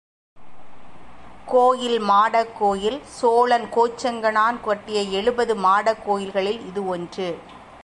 கோயில் மாடக் கோயில், சோழன் கோச்செங்கணான் கட்டிய எழுபது மாடக் கோயில்களில் இது ஒன்று.